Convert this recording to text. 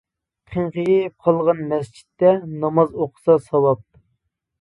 قىڭغىيىپ قالغان مەسچىتتە ناماز ئوقۇسا ساۋاپ.